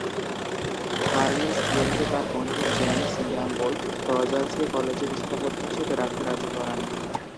Harness ইয়েলকে তার বন্ধু James gamble রজার্সকে কলেজের স্থপতি হিসেবে রাখতে রাজি করান।